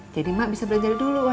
jadi mak bisa belajar dulu mak